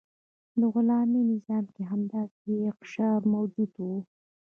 په غلامي نظام کې هم داسې اقشار موجود وو.